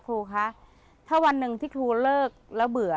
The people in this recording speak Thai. ครูคะถ้าวันหนึ่งที่ครูเลิกแล้วเบื่อ